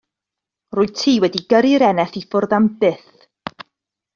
Rwyt ti wedi gyrru'r eneth i ffwrdd am byth.